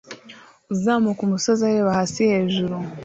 Uzamuka umusozi areba hasi hejuru